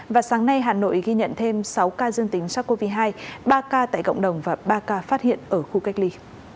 và sáng nay hà nội ghi nhận thêm sáu ca dương tính sars cov hai ba ca tại cộng đồng và ba ca phát hiện ở khu cách ly